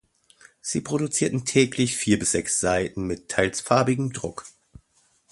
Sie produzierten täglich vier bis sechs Seiten, mit teils farbigem Druck.